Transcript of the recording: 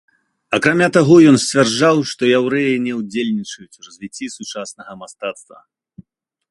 Акрамя таго, ён сцвярджаў, што яўрэі не ўдзельнічаюць у развіцці сучаснага мастацтва.